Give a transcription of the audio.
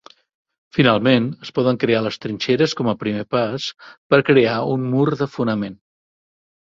Finalment, es poden crear les trinxeres com a primer pas per crear un mur de fonament.